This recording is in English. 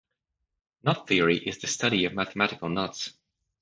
Knot theory is the study of mathematical knots.